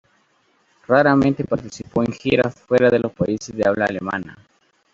Raramente participó en giras fuera de los países de habla alemana.